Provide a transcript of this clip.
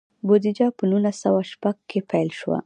بودیجه په نولس سوه شپږ کې پیل شوه.